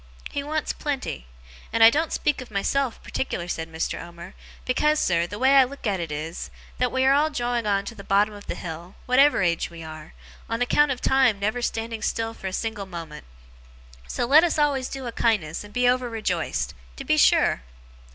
He wants plenty. And I don't speak of myself, particular,' said Mr. Omer, 'because, sir, the way I look at it is, that we are all drawing on to the bottom of the hill, whatever age we are, on account of time never standing still for a single moment. So let us always do a kindness, and be over rejoiced. To be sure!